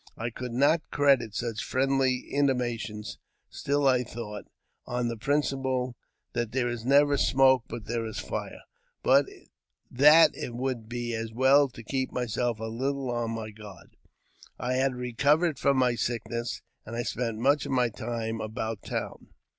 I could not credit such friendly intimations ; still I thought, on the principle that there is never smoke but there is fire, that it would be as well to keep myself a little on my guard. I had recovered from my sickness, and I spent much of my time about town.